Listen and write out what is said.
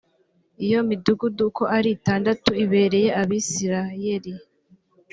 iyo midugudu uko ari itandatu ibereye abisirayeli